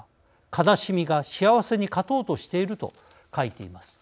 「悲しみが幸せに勝とうとしている」と書いています。